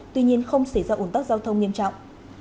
tuy nhiên không xảy ra ủn tắc giao thông nghiêm trọng